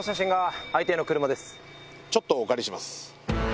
ちょっとお借りします。